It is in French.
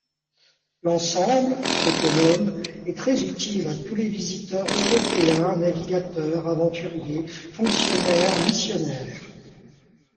L'ensemble, autonome, est très utile à tous les visiteurs européens, navigateurs, aventuriers, fonctionnaires, missionnaires.